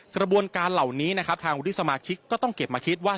กระบวนการเหล่านี้นะครับทางวุฒิสมาชิกก็ต้องเก็บมาคิดว่า